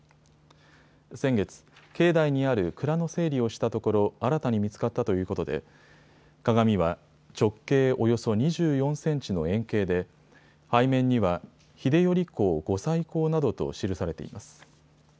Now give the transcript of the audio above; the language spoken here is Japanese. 先月、境内にある倉の整理をしたところ新たに見つかったということで鏡は直径およそ２４センチの円形で背面には秀頼公御再興などと記されています。